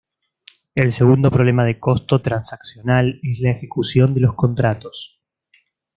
El segundo problema de costo transaccional es la ejecución de los contratos.